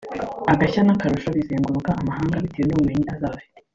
agashya n’akarusho bizenguruka amahanga bitewe n’ubumenyi azaba afite